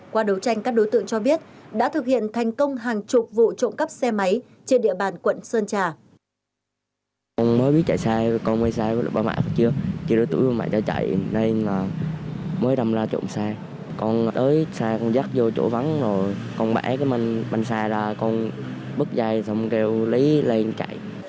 qua đấu tranh các đối tượng cho biết đã thực hiện thành công hàng chục vụ trộm cắp xe máy trên địa bàn quận sơn trà